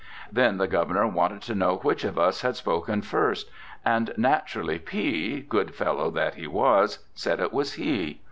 Then the Governor wanted to know which of us had spoken first, and naturally P , good fellow that he was, said it was he.